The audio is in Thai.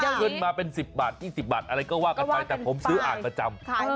ขึ้นมาเป็น๑๐บาท๒๐บาทอะไรก็ว่ากันไปแต่ผมซื้ออ่านประจำ